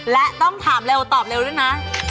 และต้องถามเร็วตอบเร็วด้วยนะ